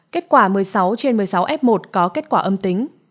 kết quả một mươi sáu trên một mươi sáu f một có kết quả âm tính